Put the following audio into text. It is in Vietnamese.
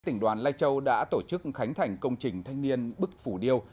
tỉnh đoàn lai châu đã tổ chức khánh thành công trình thanh niên bức phủ điêu